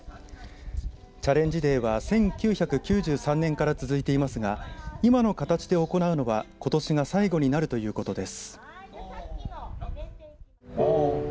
チャレンジデーは１９９３年から続いていますが今の形で行うのはことしが最後になるということです。